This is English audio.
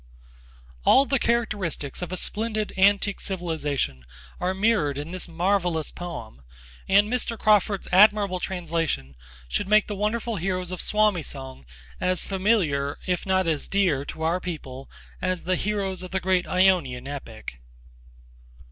All the characteristics of a splendid antique civilisation are mirrored in this marvellous poem, and Mr. Crawford's admirable translation should make the wonderful heroes of Suomi song as familiar if not as dear to our people as the heroes of the great Ionian epic.